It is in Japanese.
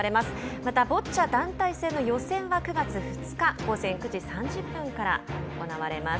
またボッチャ団体戦の予選は９月２日午前９時３０分から行われます。